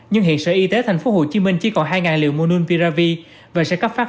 nhưng hiện sở y tế thành phố hồ chí minh chỉ còn hai liều monulpiravir và sẽ cấp phát